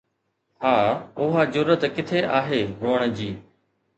ها، اها جرئت ڪٿي آهي روئڻ جي؟